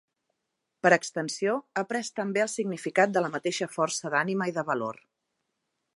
Per extensió, ha pres també el significat de la mateixa força d'ànima i de valor.